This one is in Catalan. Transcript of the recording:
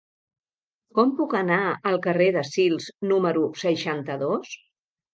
Com puc anar al carrer de Sils número seixanta-dos?